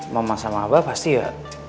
mama sama abah pasti ya